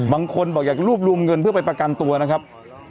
บางคนบอกอยากรวบรวมเงินเพื่อไปประกันตัวนะครับ